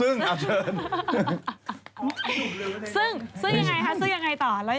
ซึ้งซึ้งอย่างไรค่ะซึ้งอย่างไรต่อ